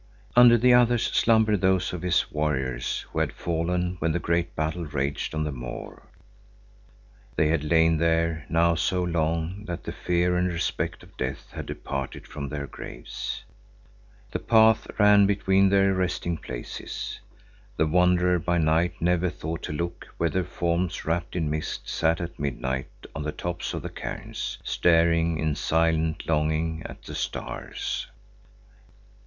Under the others slumbered those of his warriors who had fallen when the great battle raged on the moor. They had lain there now so long that the fear and respect of death had departed from their graves. The path ran between their resting places. The wanderer by night never thought to look whether forms wrapped in mist sat at midnight on the tops of the cairns staring in silent longing at the stars.